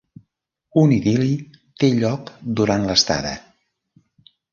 Un idil·li té lloc durant l'estada.